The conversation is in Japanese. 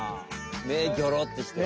目ギョロッとして。